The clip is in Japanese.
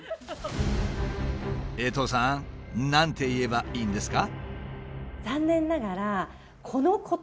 江藤さん何て言えばいいんですか？